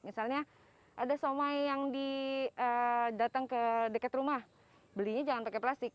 misalnya ada somai yang didatang ke dekat rumah belinya jangan pakai plastik